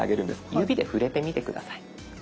指で触れてみて下さい。